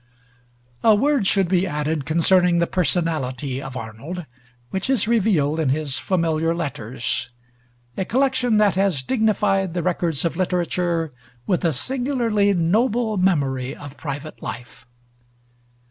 A word should be added concerning the personality of Arnold which is revealed in his familiar letters, a collection that has dignified the records of literature with a singularly noble memory of private life.